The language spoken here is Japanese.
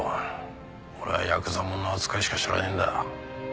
俺はヤクザもんの扱いしか知らねえんだ。